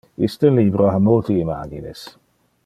Iste libro ha multe imagines.